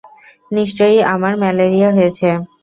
নিশ্চয়ই আমার ম্যালেরিয়া হয়েছে!